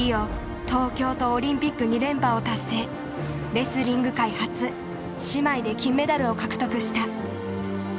レスリング界初姉妹で金メダルを獲得した。